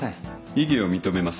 異議を認めます。